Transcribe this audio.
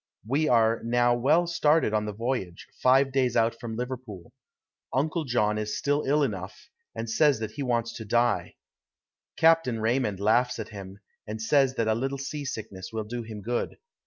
We are now well started on the voyage, five days out from Liverpool. Uncle John is still ill enough, and says that he wants to die. Captain Raymond laughs at him, and says that a little sea sickness will do him good.